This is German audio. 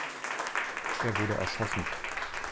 Er wurde erschossen.